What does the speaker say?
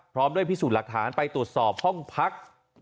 พร้อมด้วยพิสูจน์หลักฐานไปตรวจสอบห้องพัก